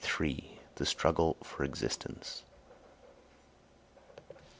STRUGGLE FOR EXISTENCE.